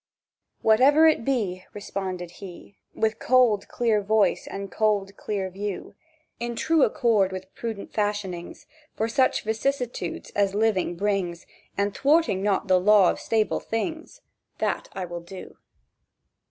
"Whatever it be," Responded he, With cold, clear voice, and cold, clear view, "In true accord with prudent fashionings For such vicissitudes as living brings, And thwarting not the law of stable things, That will I do."